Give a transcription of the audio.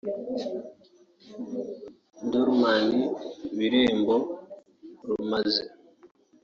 Dorman Birembo rumaze